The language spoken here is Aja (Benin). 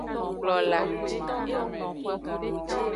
Kplola.